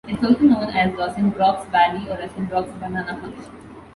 It is also known as Rosenbrock's valley or Rosenbrock's banana function.